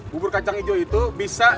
bubur kacang hijau itu bisa